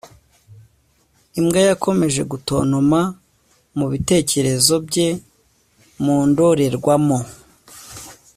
imbwa yakomeje gutontoma ku bitekerezo bye mu ndorerwamo